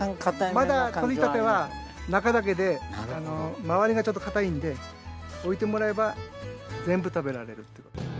まだ採れたては中だけで周りがちょっと硬いんで置いてもらえば全部食べられる。